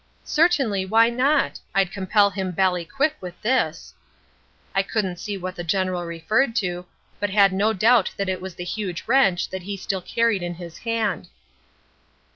"'Certainly, why not? I'd compel him bally quick with this.' "I couldn't see what the General referred to, but had no doubt that it was the huge wrench that he still carried in his hand.